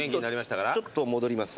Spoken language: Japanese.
ちょっと戻ります。